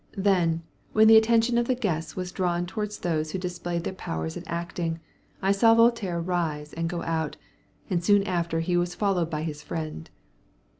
Then, when the attention of the guests was drawn towards those who displayed their powers at acting, I saw Voltaire rise and go out, and soon after he was followed by his friend.